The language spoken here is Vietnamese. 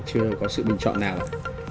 chưa có sự bình chọn nào ạ